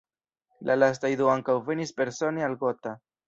La lastaj du ankaŭ venis persone al Gotha.